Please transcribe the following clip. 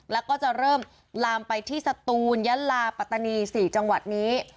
แล้วก็จะเริ่มลามไปที่สตูนยะลาปัตตานี๔จังหวัดนี้